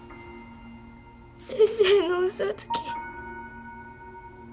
先生の嘘つき。